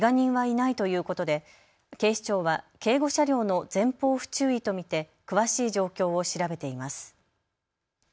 けが人はいないということで警視庁は警護車両の前方不注意と見て詳しい状況を調べています。